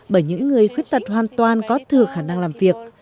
bởi những người khuyết tật hoàn toàn có thừa khả năng làm việc